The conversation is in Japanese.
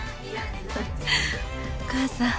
お母さん。